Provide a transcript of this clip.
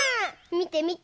みてみて。